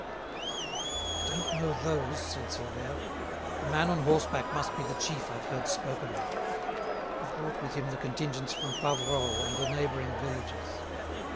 "I don't know those," said Silvère. "The man on horseback must be the chief I've heard spoken of. He brought with him the contingents from Faverolles and the neighbouring villages.